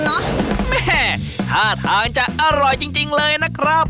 แม่ท่าทางจะอร่อยจริงเลยนะครับ